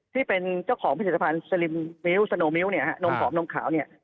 ที่เป็นเจ้าของพิสิทธิภัณฑ์สลิมมิลล์สโนมิลล์นมของนมขาว